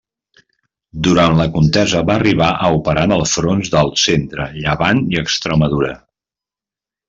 Durant la contesa va arribar a operar en els fronts del Centre, Llevant i Extremadura.